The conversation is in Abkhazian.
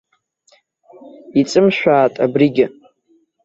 Иҵымшәаат абригьы!